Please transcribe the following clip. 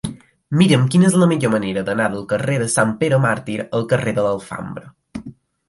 Mira'm quina és la millor manera d'anar del carrer de Sant Pere Màrtir al carrer de l'Alfambra.